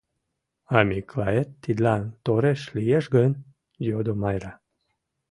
— А Миклает тидлан тореш лиеш гын? — йодо Майра.